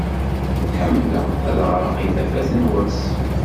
Ḥemmleɣ ad ɣreɣ i tafat n wass.